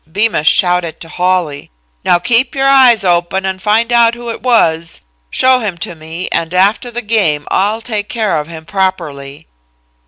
Bemus shouted to Hawley: "Now keep your eyes open and find out who it was. Show him to me, and after the game I'll take care of him properly."